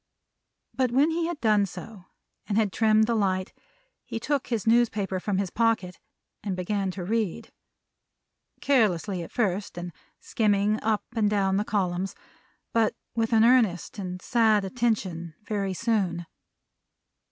But when he had done so, and had trimmed the light, he took his newspaper from his pocket and began to read. Carelessly at first, and skimming up and down the columns; but with an earnest and a sad attention, very soon.